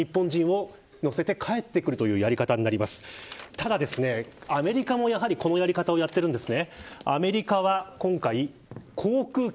ただアメリカもやはりこのやり方をやっているんです。